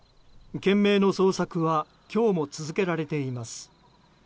懸命の捜索は今日も続けられています。